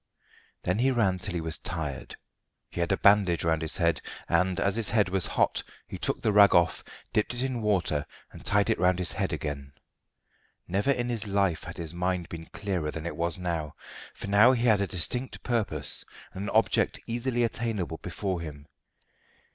Then he ran till he was tired. He had a bandage round his head, and, as his head was hot, he took the rag off, dipped it in water, and tied it round his head again. Never in his life had his mind been clearer than it was now, for now he had a distinct purpose, and an object easily attainable, before him.